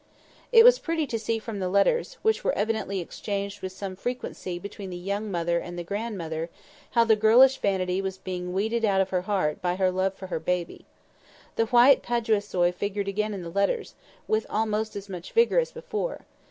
It was pretty to see from the letters, which were evidently exchanged with some frequency between the young mother and the grandmother, how the girlish vanity was being weeded out of her heart by love for her baby. The white "Paduasoy" figured again in the letters, with almost as much vigour as before.